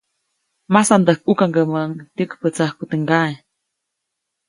Masandäjkʼukaŋgäʼmäʼuŋ tyäkpätsajku teʼ ŋgaʼe.